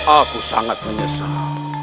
aku sangat menyesal